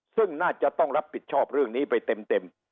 ซึ่งน่าจะต้องรับผิดชอบเรื่องนี้ไปเต็ม